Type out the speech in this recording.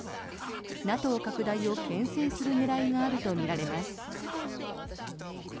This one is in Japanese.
ＮＡＴＯ拡大をけん制する狙いがあるとみられます。